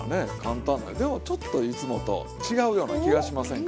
でもちょっといつもと違うような気がしませんか？